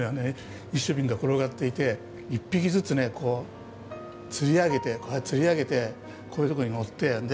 一升瓶が転がっていて１匹ずつねこう釣り上げてこういうとこに盛ってんで